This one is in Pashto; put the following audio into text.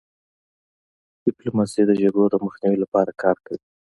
ډيپلوماسي د جګړو د مخنیوي لپاره کار کوي.